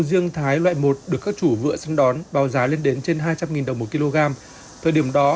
riêng thái loại một được các chủ vựa sưng đón báo giá lên đến trên hai trăm linh đồng một kg thời điểm đó